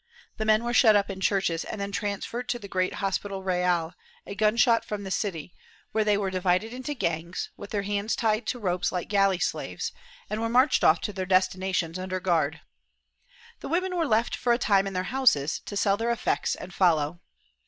The men were shut up in the churches and then transferred to the great Hospital Real, a gunshot from the city, where they were divided into gangs, with their hands tied to ropes like galley slaves, and were marched off to their destinations under guard. The women were left for a time in their houses, to sell their effects and follow.